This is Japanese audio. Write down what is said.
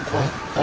あ！